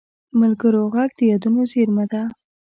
د ملګرو غږ د یادونو زېرمه ده